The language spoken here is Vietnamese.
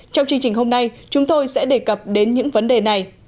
trong chương trình hôm nay chúng tôi sẽ đề cập đến những vấn đề này